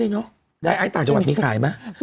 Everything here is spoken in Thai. ได้ไอ้ก็ได้เนาะได้ไอ้ต่างจังหวัดมีขายไหม